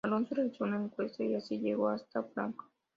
Alonso realizó una encuesta y así llegó hasta Frank.